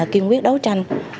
kiên quyết đấu tranh